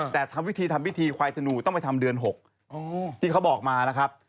แต่ทำวิธีทำพิธีควายธนูต้องไปทำเดือน๖ที่เขาบอกมานะครับ